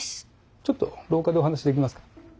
ちょっと廊下でお話できますか？